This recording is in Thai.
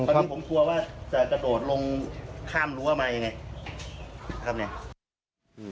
จะกระโดดลงข้ามหรือว่าแบบนั้นอย่างไร